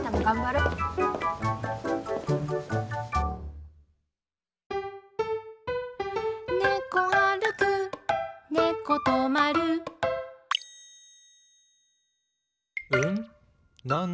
「うん？